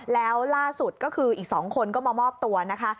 แล้วล่าสุดก็คืออีก๒คนก็มามอบตัวนะคะ